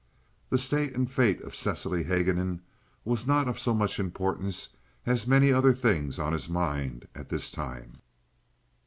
The state and fate of Cecily Haguenin was not of so much importance as many other things on his mind at this time.